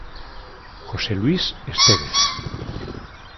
Jose Luís Estévez.